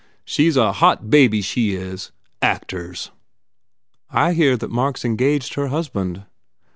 She s a hot baby, she is! Actors!" "I hear that Mark s engaged her husband."